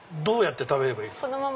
どうやって食べればいいですか？